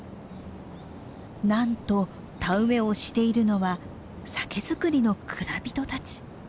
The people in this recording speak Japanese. なんと田植えをしているのは酒造りの蔵人たち。